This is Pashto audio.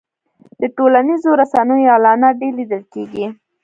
د ټولنیزو رسنیو اعلانات ډېر لیدل کېږي.